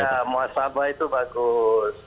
ya muhasabah itu bagus